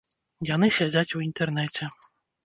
Яны сядзяць у інтэрнэце.